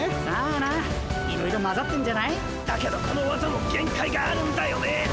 さあないろいろまざってんじゃない？だけどこのわざもげん界があるんだよね！